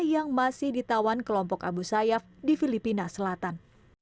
yang masih ditawan kelompok abu sayyaf di filipina selatan